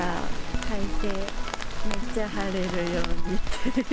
快晴、めっちゃ晴れるようにって。